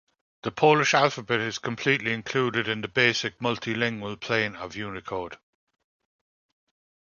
The Polish alphabet is completely included in the Basic Multilingual Plane of Unicode.